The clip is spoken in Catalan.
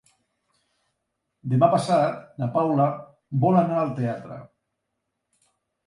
Demà passat na Paula vol anar al teatre.